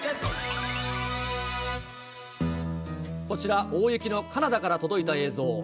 こちら、大雪のカナダから届いた映像。